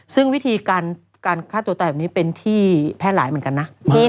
ซึ่งวิธีการฆ่าตัวตายแบบนี้เป็นที่แพร่หลายเหมือนกันนะ